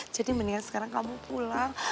jadi mendingan sekarang kamu pulang